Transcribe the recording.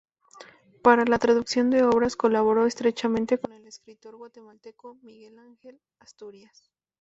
Para la traducción de obras, colaboró estrechamente con el escritor guatemalteco Miguel Ángel Asturias.